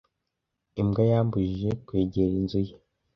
Imbwa yambujije kwegera inzu ye.